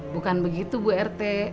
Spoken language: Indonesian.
bukan begitu bu rt